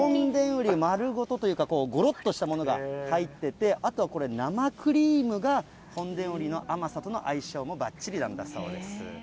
ウリ丸ごとというか、ごろっとしたものが入ってて、あとはこれ、生クリームが本田ウリの甘さとの相性もばっちりなんだそうです。